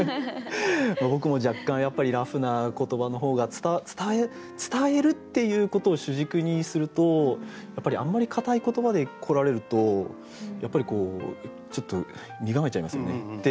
僕も若干やっぱりラフな言葉の方が伝えるっていうことを主軸にするとやっぱりあんまり堅い言葉で来られるとやっぱりちょっと身構えちゃいますよねって